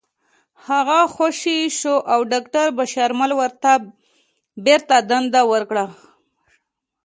هغه خوشې شو او داکتر بشرمل ورته بېرته دنده ورکړه